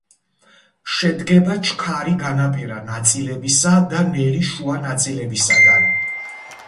შედგება ჩქარი განაპირა ნაწილებისა და ნელი შუა ნაწილისაგან.